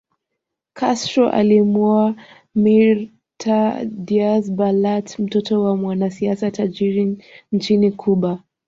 Castro alimuoa Mirta Diaz Balart mtoto wa mwanasiasa tajiri nchini Cuba